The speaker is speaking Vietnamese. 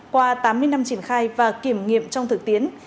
qua tám mươi năm triển khai và kiểm nghiệm trong thực tiễn